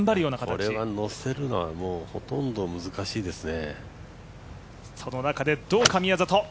これは乗せるのはほとんど難しいですね。